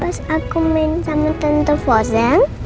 pas aku main sama tante vosen